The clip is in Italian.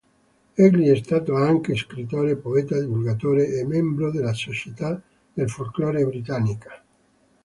Egli è stato anche scrittore, poeta, divulgatore e membro della Società del Folklore britannica.